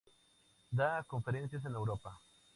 Da conferencias en Europa.